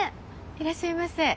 いらっしゃいませ。